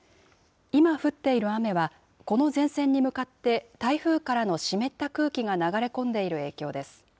今降っている雨は、この前線に向かって台風からの湿った空気が流れ込んでいる影響です。